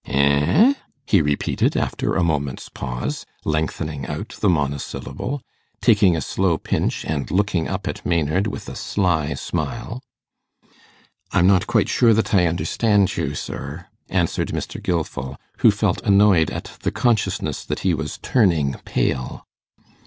'Eh?' he repeated, after a moment's pause, lengthening out the monosyllable, taking a slow pinch, and looking up at Maynard with a sly smile. 'I'm not quite sure that I understand you, sir,' answered Mr. Gilfil, who felt annoyed at the consciousness that he was turning pale.